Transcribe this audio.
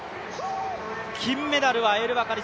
金メダルはエルバカリ。